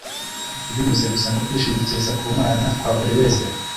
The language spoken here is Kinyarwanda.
binyuze gusa mu kwishingikiza ku Mana kwa buri wese.